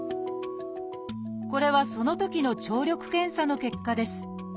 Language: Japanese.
これはそのときの聴力検査の結果です。